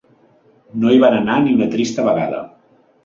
No hi van anar ni una trista vegada.